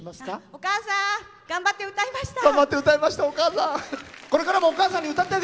お母さん頑張って歌いました！